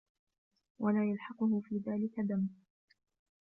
وَلَا يَلْحَقَهُ فِي ذَلِكَ ذَمٌّ